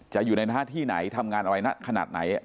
อยู่ในหน้าที่ไหนทำงานอะไรขนาดไหน